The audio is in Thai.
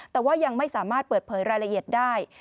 แต่ว่ายังไม่สามารถเปิดเผยรายละเอียดได้